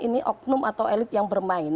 ini oknum atau elit yang bermain